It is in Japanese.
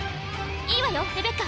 いいわよレベッカ。